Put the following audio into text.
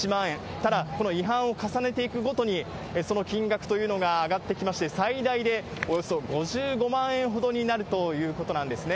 ただ、この違反を重ねていくごとにその金額というのが上がってきまして、最大でおよそ５５万円ほどになるということなんですね。